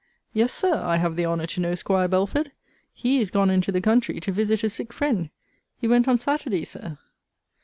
Yes, Sir; I have the honour to know 'Squire Belford. He is gone into the country to visit a sick friend. He went on Saturday, Sir.